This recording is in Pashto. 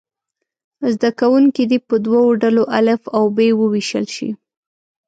زده کوونکي دې په دوه ډلو الف او ب وویشل شي.